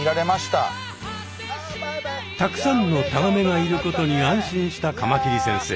たくさんのタガメがいることに安心したカマキリ先生。